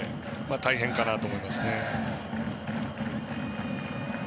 大変かなと思いますね。